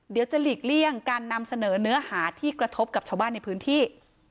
จะหลีกเลี่ยงการนำเสนอเนื้อหาที่กระทบกับชาวบ้านในพื้นที่